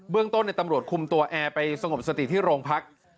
เรื่องต้นตำรวจคุมตัวแอร์ไปสงบสติที่โรงพัก